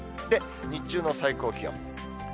日中の最高気温。